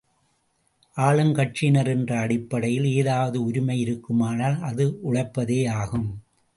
ஆளும் கட்சியினர் என்ற அடிப்படையில் ஏதாவது உரிமை இருக்குமானால் அது உழைப்பதேயாகும்.